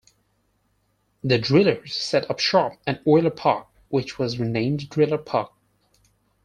The Drillers set up shop at Oiler Park, which was renamed Driller Park.